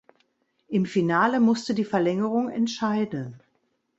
Im Finale musste die Verlängerung entscheiden.